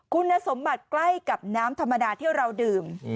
คุณสมบัติใกล้กับน้ำธรรมดาที่เราดื่ม